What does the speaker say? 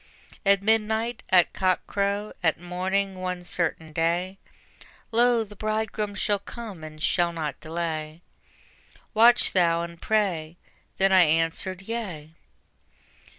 At midnight, at cock crow, at morning, one certain day Lo, the Bridegroom shall come and shall not delay: Watch thou and pray. Then I answered: Yea.